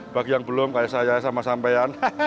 bagi yang belum kayak saya sama sampean